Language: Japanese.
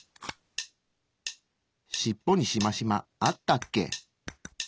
しっぽにしましまあったっけ？